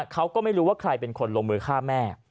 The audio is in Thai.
เขาก็ไม่รู้ว่าใครเป็นคนลงมือฆ่าแม่